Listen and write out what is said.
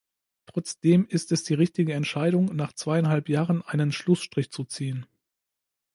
Trotzdem ist es die richtige Entscheidung, nach zweieinhalb Jahren einen Schlussstrich zu ziehen.